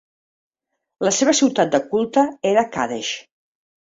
La seva ciutat de culte era Qadesh.